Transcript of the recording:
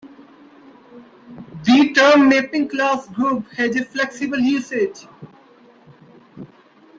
The term mapping class group has a flexible usage.